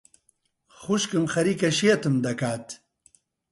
خوشکم خەریکە شێتم دەکات.